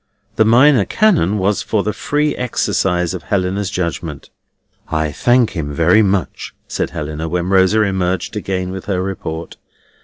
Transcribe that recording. The Minor Canon was for the free exercise of Helena's judgment. "I thank him very much," said Helena, when Rosa emerged again with her report.